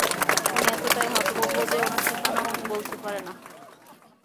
উনি এতটাই হতভম্ব যে, উনার ঠিকানাও উনি বলতে পারে না।